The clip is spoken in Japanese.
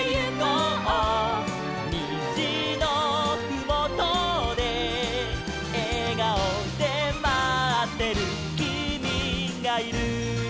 「にじのふもとでえがおでまってるきみがいる」